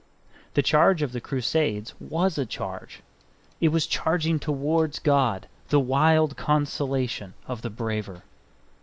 The charge of the Crusades was a charge; it was charging towards God, the wild consolation of the braver.